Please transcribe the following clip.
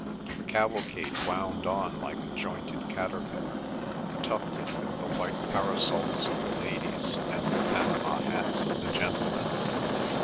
The cavalcade wound on like a jointed caterpillar, tufted with the white parasols of the ladies, and the panama hats of the gentlemen.